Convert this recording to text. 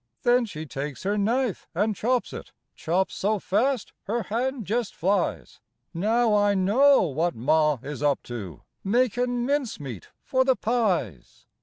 Then she takes her knife an' chops it, Chops so fast her hand jest flies. Now I know what ma is up to Makin' mincemeat for the pies.